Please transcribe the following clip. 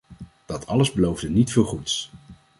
Dat alles beloofde niet veel goeds.